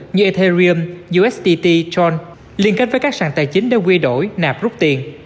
như ethereum usdt tron liên kết với các sàn tài chính để quy đổi nạp rút tiền